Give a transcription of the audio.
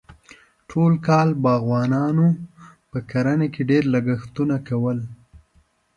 ټول کال باغوانانو په کرنه کې ډېر لګښتونه کول.